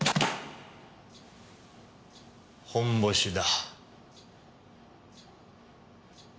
ホンボシだ。